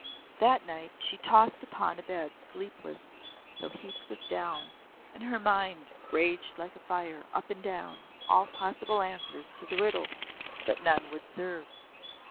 That night she tossed upon a bed sleepless though heaped with down, and her mind raged like a fire up and down all possible answers to the riddle, but none would serve.